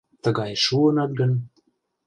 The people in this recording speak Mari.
— Тыгайыш шуынат гын...